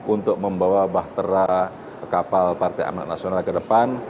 untuk membawa bahtera kapal partai amanat nasional ke depan